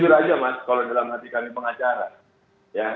jujur aja mas kalau dalam hati kami pengacara